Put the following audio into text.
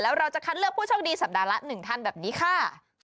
แล้วเราจะคัดเลือกผู้โชคดีสัปดาห์ละ๑ท่านแบบนี้ค่ะ